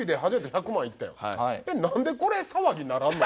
なんでこれ騒ぎにならんの？